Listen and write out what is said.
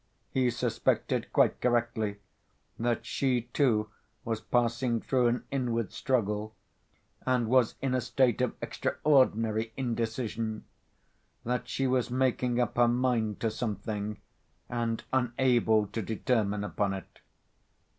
He suspected, quite correctly, that she, too, was passing through an inward struggle, and was in a state of extraordinary indecision, that she was making up her mind to something, and unable to determine upon it.